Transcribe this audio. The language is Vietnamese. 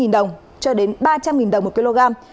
một trăm bảy mươi đồng cho đến ba trăm linh đồng một kg